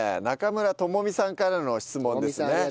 中村智美さんからの質問ですね。